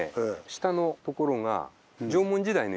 下のところがふん。